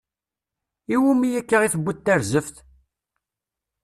Iwumi akka i tuwiḍ tarzeft?